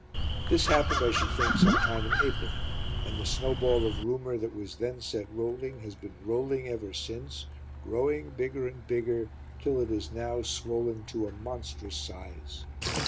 This happened, I should think, some time in April, and the snowball of rumour that was then set rolling has been rolling ever since, growing bigger and bigger, till it is now swollen to a monstrous size.